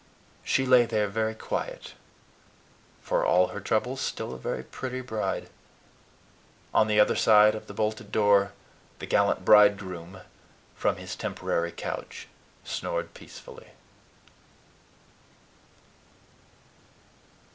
She lay there very quiet for all her troubles, still a very pretty bride. And on the other side of the bolted door the gallant bridegroom, from his temporary couch, snored peacefully.